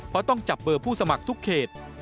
เพราะต้องจับเบอร์ผู้สมัครทุกเขต